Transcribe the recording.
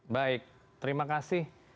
baik terima kasih